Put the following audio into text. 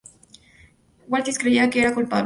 Watkins creía que eran culpables.